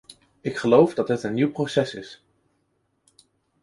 Ik geloof dat het een nieuw proces is.